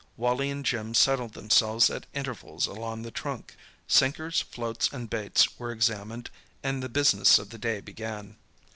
Wally and Jim settled themselves at intervals along the trunk. Sinkers, floats and baits were examined, and the business of the day began.